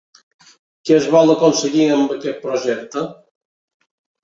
Què es vol aconseguir amb aquest projecte?